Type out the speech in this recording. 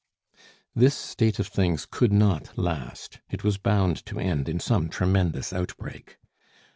This state of things could not last; it was bound to end in some tremendous outbreak.